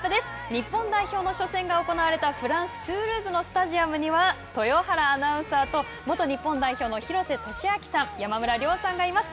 日本代表の初戦が行われたフランス・トゥールーズのスタジアムには、豊原アナウンサーと元日本代表の廣瀬俊朗さん、山村亮さんがいます。